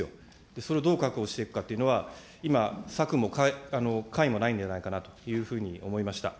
それをどう確保していくかというのは、今、策も解もないんじゃないかなというふうに思いました。